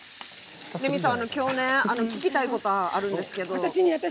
レミさん、今日聞きたいことあるんですけど。